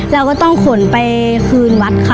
เราก็ต้องขนไปคืนวัดค่ะ